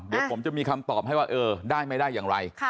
เดี๋ยวผมจะมีคำตอบให้ว่าเออได้ไม่ได้อย่างไร